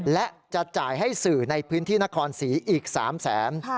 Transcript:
และจะจ่ายให้สื่อในพื้นที่นครศรีอีก๓แสน